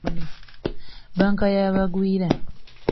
Bbanka ya bagwira.